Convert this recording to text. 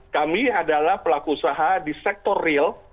kami adalah pelaku usaha di sektor real